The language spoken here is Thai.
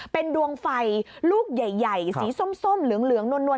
เป็นดวงไฟลูกใหญ่สีส้มเหลืองนวล